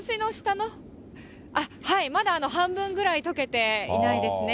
まだ半分ぐらい、とけていないですね。